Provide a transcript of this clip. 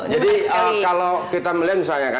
jadi kalau kita melihat misalnya